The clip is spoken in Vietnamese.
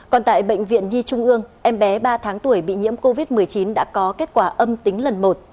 còn tại bệnh viện nhi trung ương em bé ba tháng tuổi bị nhiễm covid một mươi chín đã có kết quả âm tính lần một